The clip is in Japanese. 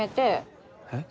えっ？